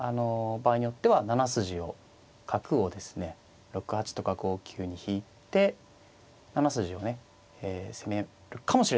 場合によっては７筋を角をですね６八とか５九に引いて７筋をね攻めるかもしれないよと。